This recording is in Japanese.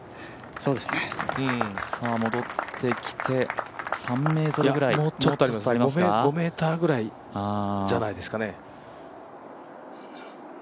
戻ってきて３ｍぐらいもうちょっとありますね、５ｍぐらいじゃないですかね。